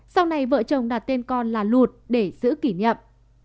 sau này vợ chồng đạt tên con là lụt để giữ kỷ niệm